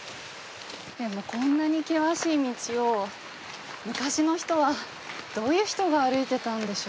でもこんなに険しい道を昔の人はどういう人が歩いてたんでしょうか。